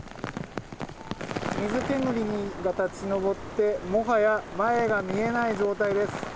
水煙が立ち上ってもはや前が見えない状態です。